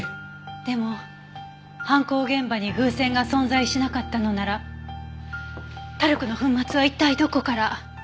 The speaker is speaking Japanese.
でも犯行現場に風船が存在しなかったのならタルクの粉末は一体どこから。